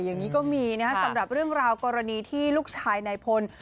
อย่างนี้ก็มีนะครับสำหรับเรื่องราวกรณีที่ลูกชายนายพล